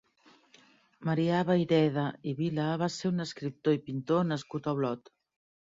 Marià Vayreda i Vila va ser un escriptor i pintor nascut a Olot.